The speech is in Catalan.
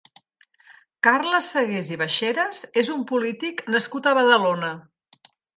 Carles Sagués i Baixeras és un polític nascut a Badalona.